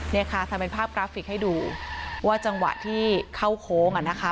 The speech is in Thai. เนี่ยค่ะทำเป็นภาพกราฟิกให้ดูว่าจังหวะที่เข้าโค้งอ่ะนะคะ